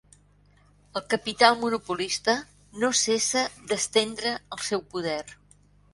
El capital monopolista no cessa d'estendre el seu poder.